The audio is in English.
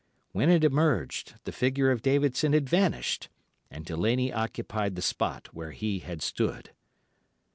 When it emerged, the figure of Davidson had vanished, and Delaney occupied the spot where he had stood.